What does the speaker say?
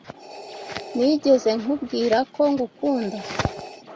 Nigeze nkubwira ko ngukunda?